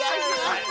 はい